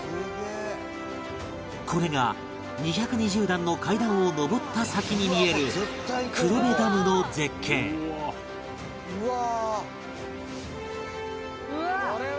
これが２２０段の階段を上った先に見える「うわ！」